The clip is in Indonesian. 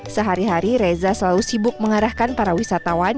sehari hari reza selalu sibuk mengarahkan para wisatawan